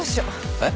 えっ？